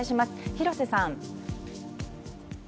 広瀬さん。